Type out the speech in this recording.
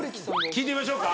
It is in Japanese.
きいてみましょうか。